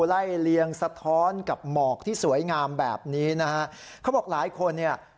ไล่เลียงสะท้อนกับหมอกที่สวยงามแบบนี้นะฮะเขาบอกหลายคนเนี่ย